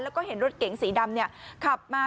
แล้วก็เห็นรถเก๋งสีดำขับมา